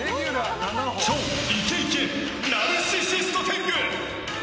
超イケイケナルシシスト天狗！